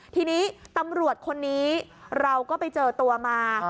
ทีนี้ตำรวจคนนี้เราก็ไปเจอตัวมา